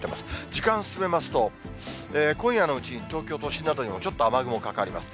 時間進めますと、今夜のうちに東京都心などにもちょっと雨雲かかります。